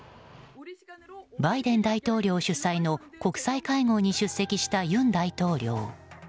バイデン大統領主催の国際会合に出席した尹大統領。